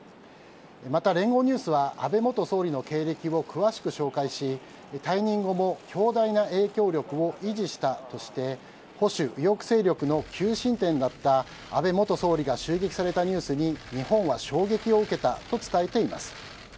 また、聯合ニュースは安倍元総理の経歴を詳しく紹介し退任後も強大な影響力を維持したとして保守・右翼勢力の求心点だった安倍元総理が襲撃されたニュースに日本は衝撃を受けたと伝えています。